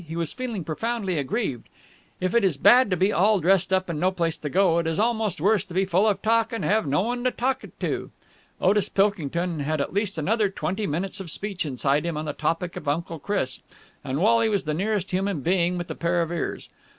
He was feeling profoundly aggrieved. If it is bad to be all dressed up and no place to go, it is almost worse to be full of talk and to have no one to talk it to. Otis Pilkington had at least another twenty minutes of speech inside him on the topic of Uncle Chris, and Wally was the nearest human being with a pair of ears.